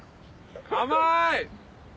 甘い！